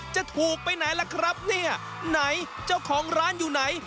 จะถูกไปไหนล่ะครับเนี่ยไหนเจ้าของร้านอยู่ไหน